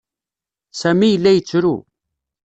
Sami yella yettru.